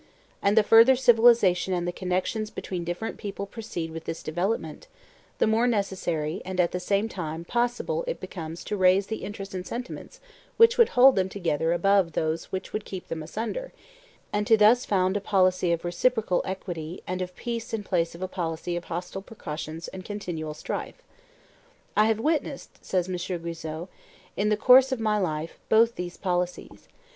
And the further civilization and the connections between different people proceed with this development, the more necessary and, at the same time, possible it becomes to raise the interests and sentiments which would hold them together above those which would keep them asunder, and to thus found a policy of reciprocal equity and of peace in place of a policy of hostile precautions and continual strife. "I have witnessed," says M. Guizot, "in the course of my life, both these policies.